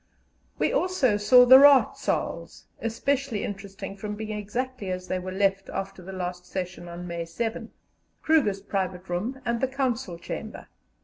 We also saw the Raad Saals especially interesting from being exactly as they were left after the last session on May 7 Kruger's private room, and the Council Chamber.